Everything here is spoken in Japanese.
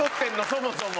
そもそも。